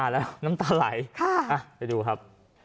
แล้วน้ำตาไหลไปดูครับ